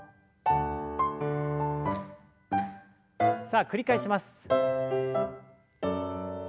さあ繰り返します。